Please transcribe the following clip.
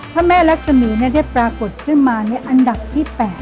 พระแม่ลักษมีธ์เนี่ยได้ปรากฏขึ้นมาในอันดับที่๘